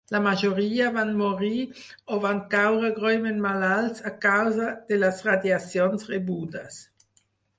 La majoria van morir o van caure greument malalts a causa de les radiacions rebudes.